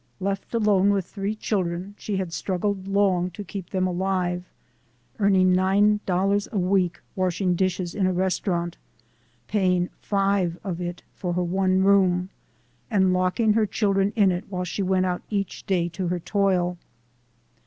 Left alone with three children, she had struggled long to keep them alive, earning nine dollars a week washing dishes in a restaurant, paying five of it for her one room, and locking her children in it while she went out each day to her toil.